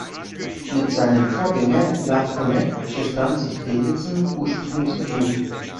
Mit seinem Vorgänger La Follette verstand sich Davidson ursprünglich sehr gut.